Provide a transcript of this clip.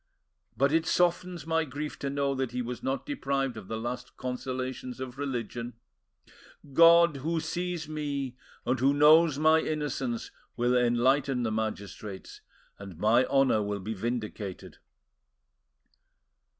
But it softens my grief to know that he was not deprived of the last consolations of religion! God, who sees me, and who knows my innocence, will enlighten the magistrates, and my honour will be vindicated."